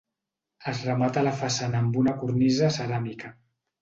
Es remata la façana amb una cornisa ceràmica.